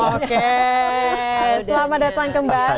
oke selamat datang kembali di good morning mbak ira kusno